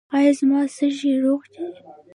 ایا زما سږي روغ دي؟